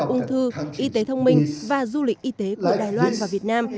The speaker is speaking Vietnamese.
ung thư y tế thông minh và du lịch y tế của đài loan và việt nam